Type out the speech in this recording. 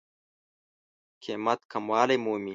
قېمت کموالی مومي.